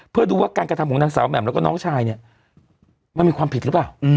เพื่อดูว่าการกระทำของนางสาวแหม่มแล้วก็น้องชายเนี่ยมันมีความผิดหรือเปล่า